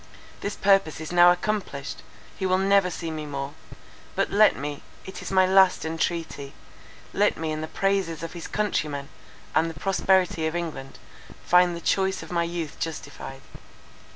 This purpose is now accomplished; he will never see me more. But let me, it is my last entreaty, let me in the praises of his countrymen and the prosperity of England, find the choice of my youth justified."